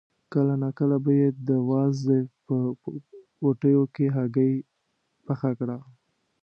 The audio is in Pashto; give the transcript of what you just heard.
کله ناکله به یې د وازدې په پوټیو کې هګۍ پخه کړه.